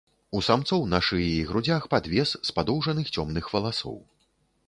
У самцоў на шыі і грудзях падвес з падоўжаных цёмных валасоў.